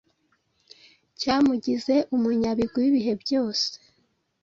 cyamugize umunyabigwi wibihe byose